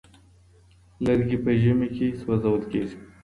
لرګي په ژمي کې سوزول کيږي.